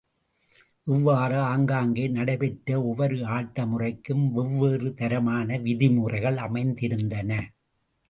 இவ்வாறு ஆங்காங்கே நடைபெற்ற ஒவ்வொரு ஆட்ட முறைக்கும் வெவ்வேறு தரமான விதிமுறைகள் அமைந்திருந்தன.